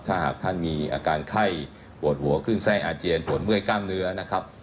ถ้าหากท่านมีอาการไข้ปวดหัวขึ้นไส้อาเจียนปวดเมื่อยกล้ามเนื้อนะครับ